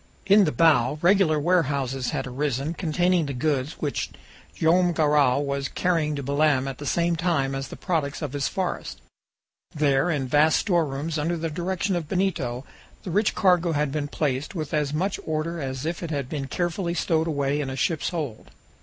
In the bow regular warehouses had arisen, containing the goods which Joam Garral was carrying to Belem at the same time as the products of his forests. There, in vast storerooms, under the direction of Benito, the rich cargo had been placed with as much order as if it had been carefully stowed away in a ship's hold.